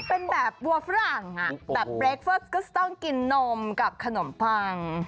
เป็นแบบบัวฝรั่งแบบเรคเฟอร์ก็จะต้องกินนมกับขนมพัง